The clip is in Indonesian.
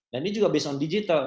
dan ini juga based on digital